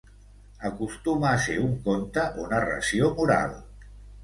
Acostuma a ser un conte o narració moral.